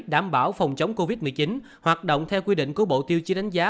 đảm bảo phòng chống covid một mươi chín hoạt động theo quy định của bộ tiêu chí đánh giá